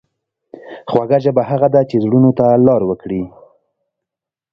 خوږه ژبه هغه ده چې زړونو ته لار وکړي.